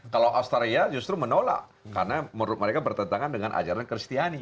kalau australia justru menolak karena menurut mereka bertentangan dengan ajaran kristiani